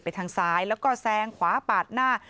ทางซ้ายแล้วก็แซงขวาปาดหน้า